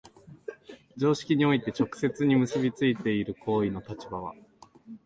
常識において直接に結び付いている行為の立場は、